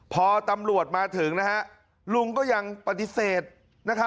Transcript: พอตำรวจมาถึงนะฮะลุงก็ยังปฏิเสธนะครับ